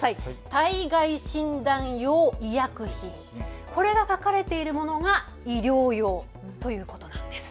体外診断用医薬品、これが書かれているものが医療用ということなんです。